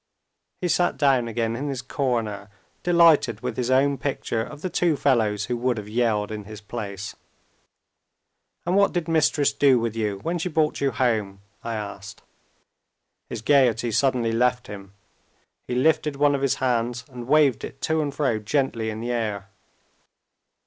He sat down again in his corner, delighted with his own picture of the two fellows who would have yelled in his place. "And what did Mistress do with you when she brought you home?" I asked. His gaiety suddenly left him. He lifted one of his hands, and waved it to and fro gently in the air.